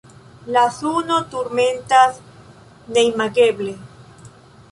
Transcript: La suno turmentas neimageble.